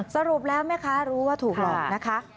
สรุปแล้วแม่ค้ารู้ว่าถูกหลอกนะคะ